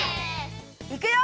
いくよ！